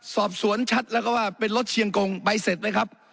สอบสวนชัดแล้วก็ว่าเป็นรถเชียงกงใบเสร็จเลยครับ